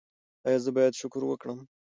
ایا زه باید شکر وکړم؟